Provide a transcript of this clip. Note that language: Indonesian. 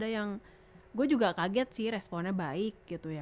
yang gue juga kaget sih responnya baik gitu ya